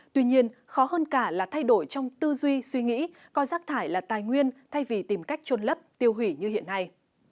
tuy nhiên khó hơn cả là thay đổi trong tư duy suy nghĩ coi rác thải là tài nguyên thay vì tìm cách trôn lấp tiêu hủy như hiện nay